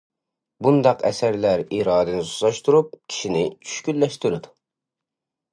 بۇنداق ئەسەرلەر ئىرادىنى سۇسلاشتۇرۇپ، كىشىنى چۈشكۈنلەشتۈرىدۇ.